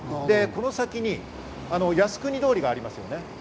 この先に靖国通りがあります。